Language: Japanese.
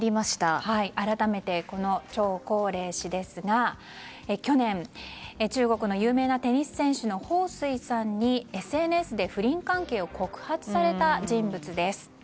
改めてチョウ・コウレイ氏ですが去年、中国の有名テニス選手のホウ・スイさんにＳＮＳで不倫関係を告発された人物です。